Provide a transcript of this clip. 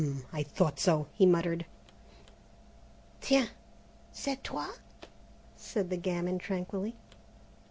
"H'm! I thought so," he muttered. "Tiens, c'est toi?" said the gamin tranquilly.